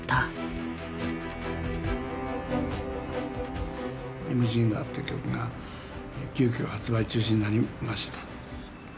「イムジン河」って曲が急きょ発売中止になりました。